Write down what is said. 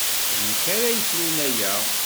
D nekk ara yefrun aya.